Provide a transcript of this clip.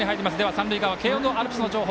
三塁側、慶応のアルプスの情報